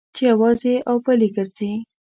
چې یوازې او پلي ګرځې.